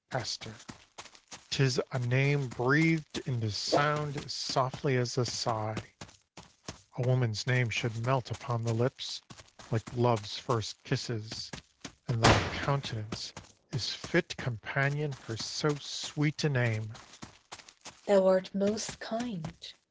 Esther! 'tis a name Breathed into sound as softly as a sigh. A woman's name should melt upon the lips Like Love's first kisses, and thy countenance Is fit companion for so sweet a name! ESTHER Thou art most kind.